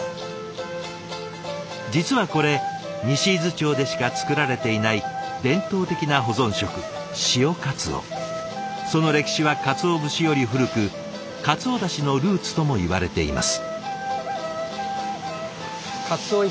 実はこれ西伊豆町でしか作られていない伝統的な保存食その歴史は鰹節より古く鰹だしのルーツともいわれています。